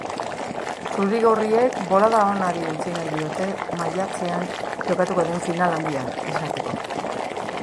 Zurigorriek bolada onari eutsi nahi diote maiatzan jokatuko den final handian izateko.